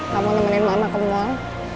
kamu nemenin mama ke mal